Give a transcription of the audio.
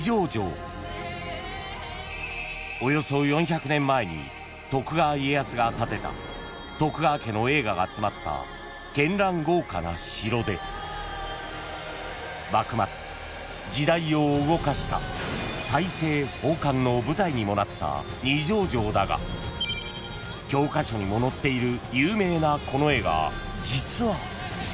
［およそ４００年前に徳川家康が建てた徳川家の栄華が詰まった絢爛豪華な城で幕末時代を動かした大政奉還の舞台にもなった二条城だが教科書にも載っている有名なこの絵が実は］